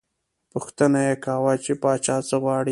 پوښتنه یې کاوه، چې پاچا څه غواړي.